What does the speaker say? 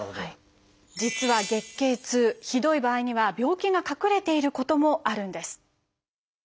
実は月経痛ひどい場合には病気が隠れていることもあるんです。